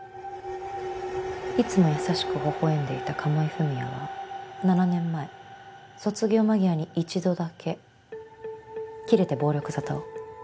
いつも優しくほほ笑んでいた鴨井文哉は７年前卒業間際に１度だけキレて暴力沙汰を。